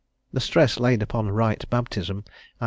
The stress laid upon right baptism, i.